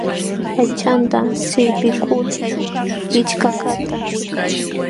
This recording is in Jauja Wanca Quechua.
Aychanta sillpiykul kichkakaqta chutay.